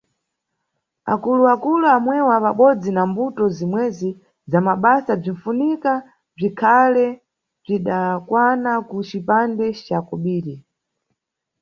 Akulu-akulu amwewa pabodzi na mbuto zimwezi za basa bzinʼfunika bzikhale bzdakwana ku cipande ca kobiri.